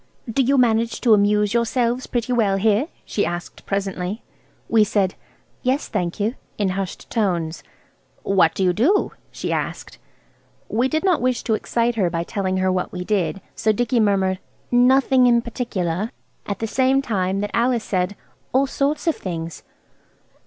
"Do you manage to amuse yourself pretty well here?" she asked presently. We said, "Yes, thank you," in hushed tones. "What do you do?" she asked. We did not wish to excite her by telling her what we did so Dicky murmured– "Nothing in particular," at the same moment that Alice said– "All sorts of things."